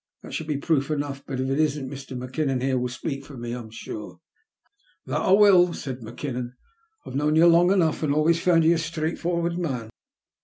That should be proof enough ; but if it isn't, Mr. Mac kinnon here will speak for me, I'm sure." " That I will," said Mackinnon. " I've known you long enough, and always found you a straightforward man."